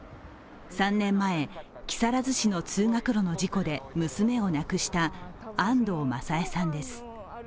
３年前、木更津市の通学路の事故で娘を亡くした安藤正恵さんです。